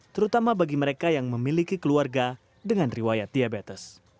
terutama bagi mereka yang memiliki keluarga dengan riwayat diabetes